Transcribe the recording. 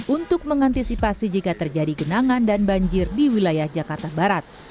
untuk mengantisipasi jika terjadi genangan dan banjir di wilayah jakarta barat